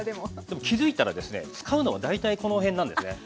でも気付いたらですね使うのは大体この辺なんですね。